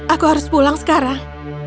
aku harus pulang sekarang